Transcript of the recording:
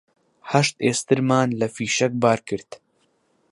هەشت ئێسترمان لە فیشەک بار کرد